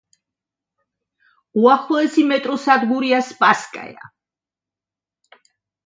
უახლოესი მეტროსადგურია „სპასკაია“.